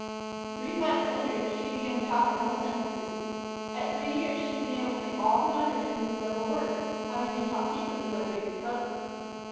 Three months later, she had begun to talk in whole sentences. At three years she had been able to make all her letters and read several words, having been taught secretly by the biggest brother.